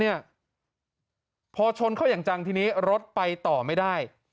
เนี่ยพอชนเข้าอย่างจังทีนี้รถไปต่อไม่ได้